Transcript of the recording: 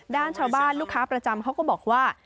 ด้านชาวบ้านลูกค้าประจำเขาก็บอกว่า